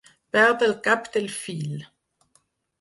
Perdre el cap del fil.